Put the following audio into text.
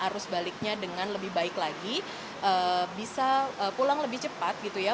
arus baliknya dengan lebih baik lagi bisa pulang lebih cepat gitu ya